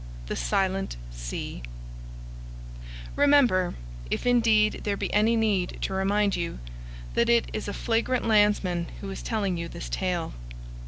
THE SILENT SEA Remember (if indeed there be any need to remind you) that it is a flagrant landsman who is telling you this tale.